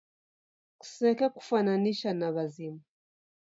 Kusekekufwananisha na w'azima.